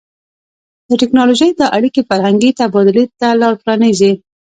د ټیکنالوژۍ دا اړیکې فرهنګي تبادلې ته لار پرانیزي.